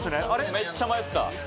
めっちゃ迷った。